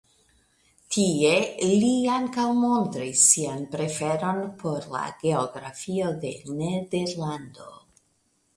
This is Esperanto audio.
Tie li ankaŭ montris sian preferon por la geografio de Nederlando.